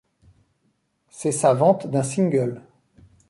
C'est sa vente d'un single.